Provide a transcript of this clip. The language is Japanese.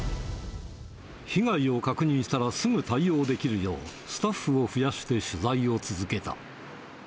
被害を確認したらすぐ対応できるよう、スタッフを増やして取材を続けた。